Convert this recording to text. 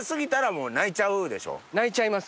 泣いちゃいます。